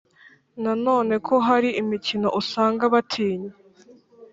na none ko hari imikino usanga batinya